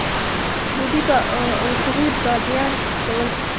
بوډۍ په اوکلۍ باديان ټکول.